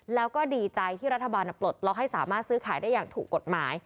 แล้วก็ดีใจที่รัฐบาลปลดล็อกให้สามารถซื้อขายได้อย่างถูกกฎหมาย